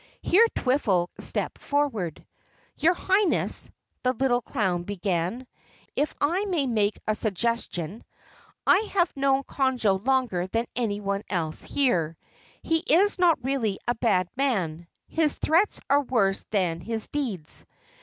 Here Twiffle stepped forward. "Your Highness," the little clown began, "if I may make a suggestion. I have known Conjo longer than anyone else here. He is not really a bad man. His threats are worse than his deeds.